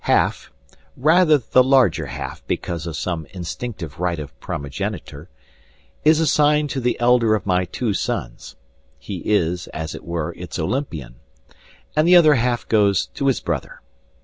Half rather the larger half because of some instinctive right of primogeniture is assigned to the elder of my two sons (he is, as it were, its Olympian), and the other half goes to his brother.